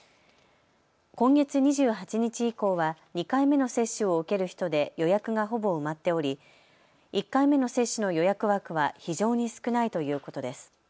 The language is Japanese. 今月２８日以降は２回目の接種を受ける人で予約がほぼ埋まっており１回目の接種の予約枠は非常に少ないということです。